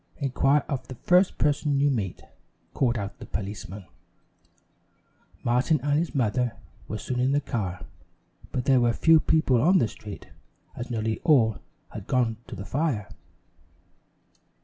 "Inquire of the first person you meet," called out the policeman. Martin and his mother were soon in the car, but there were few people on the street, as nearly all had gone to the fire.